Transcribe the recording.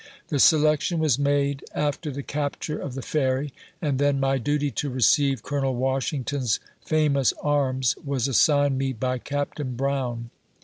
The selection was made after the capture of the Ferry, and then my duty to receive Colonel Washington's famous arms was assigned me by Captain Brown.